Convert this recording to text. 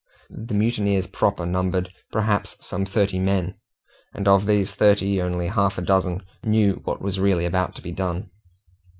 The mutineers proper numbered, perhaps, some thirty men, and of these thirty only half a dozen knew what was really about to be done.